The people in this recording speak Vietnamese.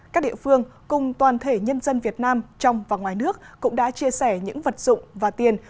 các địa phương cùng toàn thể nhân dân việt nam trong và ngoài nước cũng đã chia sẻ những vật dụng và tiền